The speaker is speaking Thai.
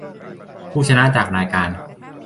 ผู้ชนะจากรายการ